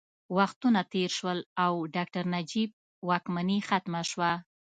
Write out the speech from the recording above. وختونه تېر شول او ډاکټر نجیب واکمني ختمه شوه